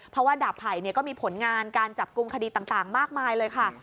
เพราะว่าดาบไผ่ก็มีผลงานการจับกลุ่มคดีต่างมากมายเลยค่ะ